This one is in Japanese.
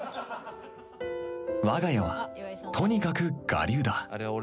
わが家はとにかく我流だ